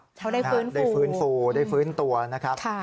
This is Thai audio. เขาได้ฟื้นฟูได้ฟื้นตัวนะครับ